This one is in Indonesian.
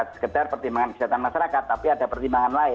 sekedar pertimbangan kesehatan masyarakat tapi ada pertimbangan lain